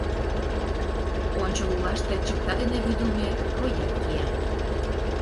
Ончыл улаште чыпта дене вӱдылмӧ рояль кия.